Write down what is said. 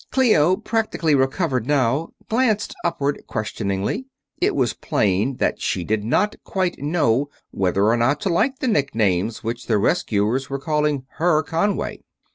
Clio, practically recovered now, glanced upward questioningly. It was plain that she did not quite know whether or not to like the nicknames which the rescuers were calling her Conway.